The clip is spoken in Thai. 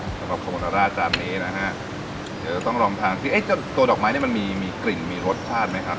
สำหรับของมณราตรจานนี้นะฮะเดี๋ยวจะต้องลองทานซิตัวดอกไม้มีกลิ่นมีรสชาติไหมครับ